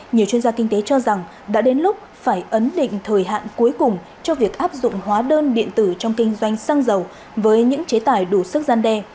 nhiều chuyên gia kinh tế cho rằng đã đến lúc phải ấn định thời hạn cuối cùng cho việc áp dụng hóa đơn điện tử trong kinh doanh xăng dầu với những chế tài đủ sức gian đe